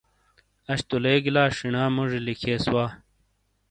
اش تو لیگی لا شینا موجی لکھیئیس وا۔